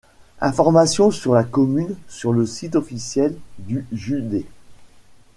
Informations sur la commune sur le site officiel du județ.